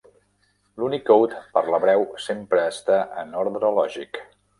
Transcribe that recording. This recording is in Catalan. L'Unicode per l'hebreu sempre està en ordre lògic.